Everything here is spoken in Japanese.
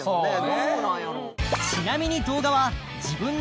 どうなんやろ。